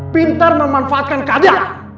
pintar memanfaatkan kada